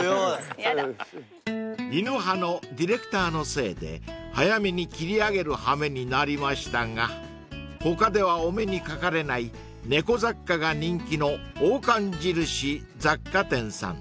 ［犬派のディレクターのせいで早めに切り上げる羽目になりましたが他ではお目にかかれない猫雑貨が人気の王冠印雑貨店さん］